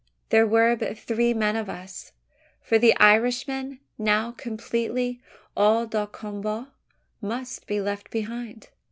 There were but three men of us: for the Irishman, now completely hors de combat, must be left behind.